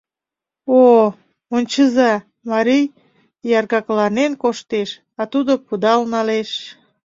— О, ончыза, марий яргакланен коштеш, а тудо пыдал налеш.